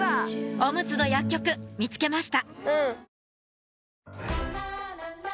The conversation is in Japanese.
オムツの薬局見つけました